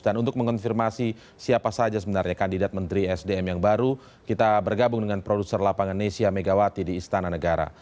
dan untuk mengonfirmasi siapa saja sebenarnya kandidat menteri esdm yang baru kita bergabung dengan produser lapangan nesia megawati di istana negara